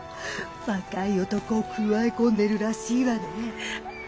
若い男をくわえ込んでるらしいわねえ。